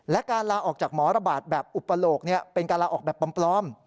และการลาออกจากหมอระบาดแบบอุปโลกเป็นการลาออกแบบปลอม